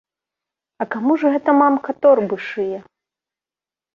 А каму ж гэта мамка торбы шые?